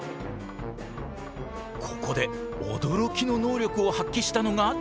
ここで驚きの能力を発揮したのが。